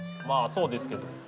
まあそうですけど。